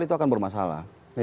itu akan bermasalah